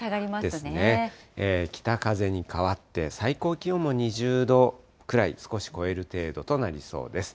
北風に変わって、最高気温も２０度くらい、少し超える程度となりそうです。